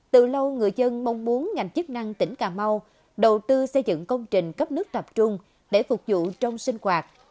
từ lâu người dân mong muốn ngành chức năng tỉnh cà mau đầu tư xây dựng công trình cấp nước tập trung để phục vụ trong sinh hoạt